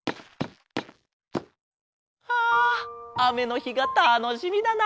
ああめのひがたのしみだな！